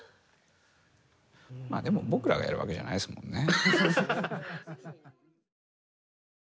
まあでも僕らがやるわけじゃないですもんね。